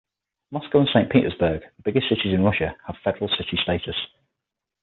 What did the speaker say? Moscow and Saint Petersburg, the biggest cities in Russia, have Federal city status.